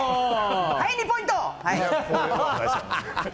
はい、２ポイント！